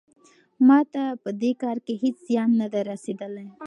ما ته په دې کار کې هیڅ زیان نه دی رسیدلی.